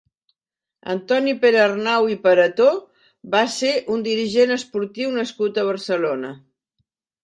Antoni Perearnau i Pareto va ser un dirigent esportiu nascut a Barcelona.